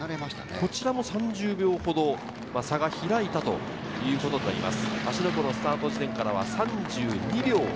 こちらも３０秒ほど開いたということになります。